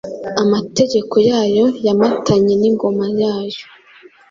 Amategeko yayo yomatanye n’ingoma yayo,